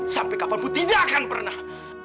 sampai kapanpun tidak akan pernah